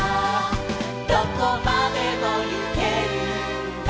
「どこまでもゆけるんだ」